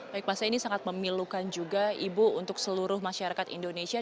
baik pasien ini sangat memilukan juga ibu untuk seluruh masyarakat indonesia